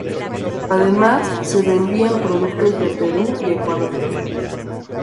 Además, se vendían productos de Perú y Ecuador.